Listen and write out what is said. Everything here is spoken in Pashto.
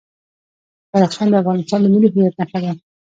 بدخشان د افغانستان د ملي هویت نښه ده.